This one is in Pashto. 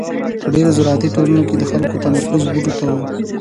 په ډېرو زراعتي ټولنو کې د خلکو تمرکز بوټو ته و.